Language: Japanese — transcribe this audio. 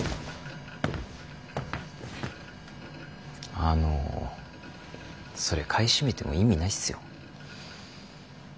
あのそれ買い占めても意味ないすよ。